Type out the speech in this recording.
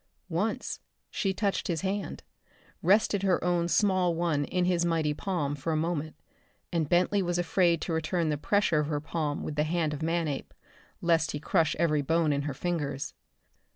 Once she touched his hand, rested her own small one in his mighty palm for a moment and Bentley was afraid to return the pressure of her palm with the hand of Manape, lest he crush every bone in her fingers.